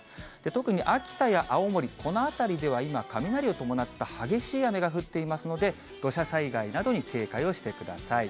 特に秋田や青森、この辺りでは今、雷を伴った激しい雨が降っていますので、土砂災害などに警戒をしてください。